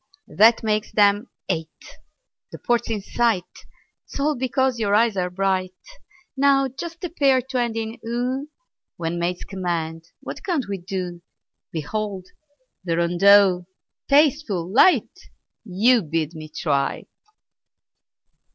That makes them eight. The port's in sight 'Tis all because your eyes are bright! Now just a pair to end in "oo" When maids command, what can't we do? Behold! the rondeau, tasteful, light, You bid me try!